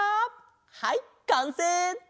はいかんせい！